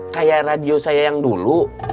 kayak radio saya yang dulu